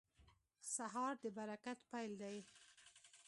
سهار د برکت پیل دی.